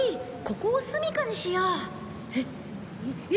ここを住み家にしよう。